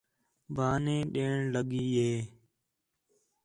بہانے ݙیݨ لڳی ہِے